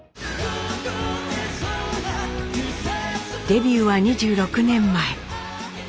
デビューは２６年前。